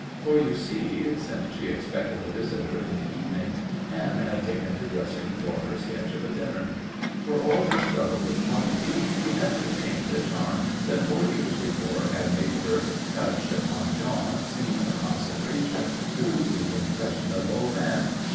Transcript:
For, you see, since she expected a visitor in the evenings, Anne had taken to dressing for her sketch of a dinner. For all her struggle with poverty she had retained the charm that four years before had made her touch upon Jean seem a consecration to the impressionable man.